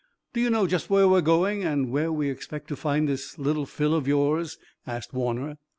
"Do you know just where we're going, and where we expect to find this Little Phil of yours?" asked Warner.